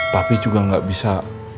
papi juga gak bisa